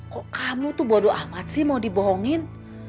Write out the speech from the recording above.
kok kamu tuh bodoh amat sih mau dibohongin